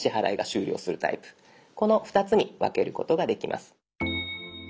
この２つに分けることができます。